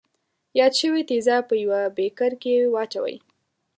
یاد شوي تیزاب په یوه بیکر کې واچوئ.